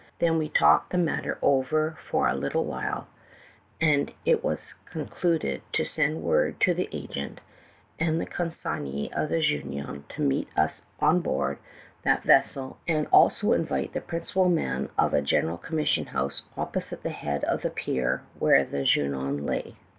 Then we talked the matter over for a little while, and it was con FINDING THE HOSE. eluded to send word to the agent and the con signee of the Junon to meet us on board that ves sel, and also invite the principal man of a general commission house opposite the head of the pier where the Junon lay.